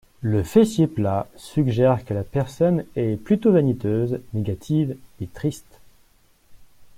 Le fessier plat suggère que la personne est plutôt vaniteuse, négative et triste.